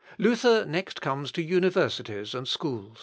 Luther next comes to universities and schools.